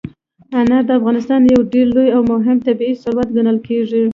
انار د افغانستان یو ډېر لوی او مهم طبعي ثروت ګڼل کېږي.